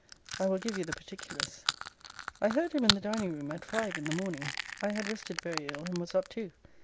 I will give you the particulars. I heard him in the dining room at five in the morning. I had rested very ill, and was up too.